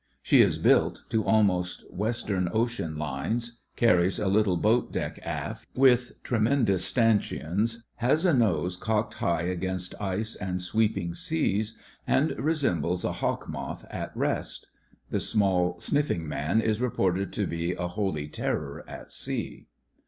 She is built to almost Western Ocean lines, carries a little boat deck aft with tremendous stanchions, has a nose cocked high against ice and sweeping seas, and resembles a hawk moth at rest. The small, sniflBng man is reported to be a "holy terror at sea."